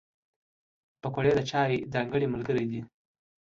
پکورې د چای ځانګړی ملګری دی